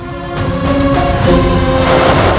tunggu apalah serang dia